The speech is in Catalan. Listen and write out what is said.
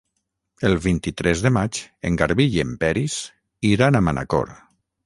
El vint-i-tres de maig en Garbí i en Peris iran a Manacor.